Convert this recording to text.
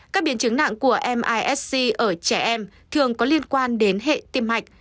các biến chứng nặng của misg ở trẻ em thường có liên quan đến hệ tiêm mạch